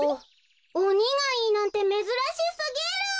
おにがいいなんてめずらしすぎる。